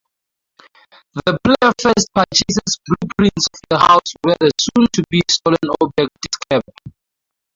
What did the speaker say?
The player first purchases blueprints of the house where the soon-to-be-stolen object is kept.